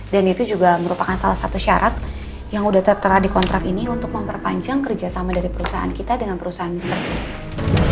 dan itu juga merupakan salah satu syarat yang udah tertera di kontrak ini untuk memperpanjang kerjasama dari perusahaan kita dengan perusahaan mr pillips